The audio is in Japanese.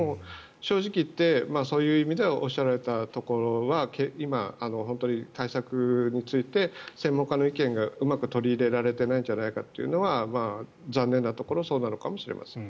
正直言ってそういう意味ではおっしゃられたところは今、対策について専門家の意見がうまく取り入れられていないんじゃないかというのは残念なところそうなのかもしれません。